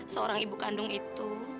seorang ibu kandung itu